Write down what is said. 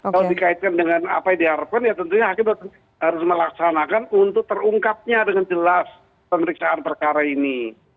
kalau dikaitkan dengan apa yang diharapkan ya tentunya hakim harus melaksanakan untuk terungkapnya dengan jelas pemeriksaan perkara ini